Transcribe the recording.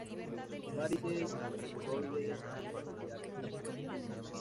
Varices, hemorroides, fragilidad capilar.